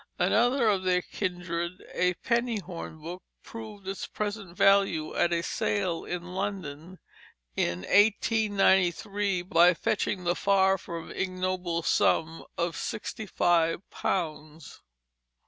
Another of their kindred, a penny hornbook, proved its present value at a sale in London in 1893, by fetching the far from ignoble sum of sixty five pounds.